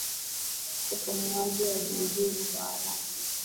upumuaji wa juujuu na wa haraka